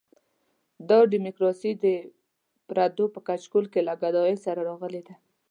دا ډیموکراسي د پردو په کچکول کې له ګدایۍ سره راغلې ده.